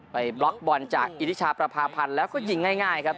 บล็อกบอลจากอิทธิชาประพาพันธ์แล้วก็ยิงง่ายครับ